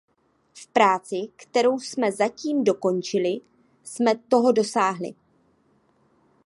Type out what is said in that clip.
V práci, kterou jsme zatím dokončili, jsme toho dosáhli.